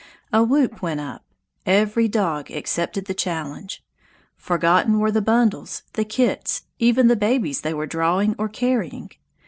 A whoop went up. Every dog accepted the challenge. Forgotten were the bundles, the kits, even the babies they were drawing or carrying.